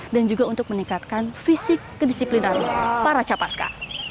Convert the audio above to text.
dan juga untuk meningkatkan fisik kedisiplinan para capa ska